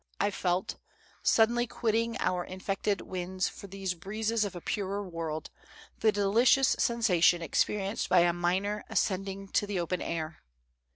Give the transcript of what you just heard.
I felt, suddenly quitting our infected winds for these breezes of a purer world, the delicious sensation experienced by a miner ascending to the open air.